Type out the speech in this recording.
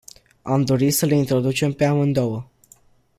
Am dori să le introducem pe amândouă.